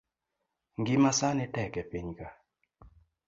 Ngima sani tek e piny ka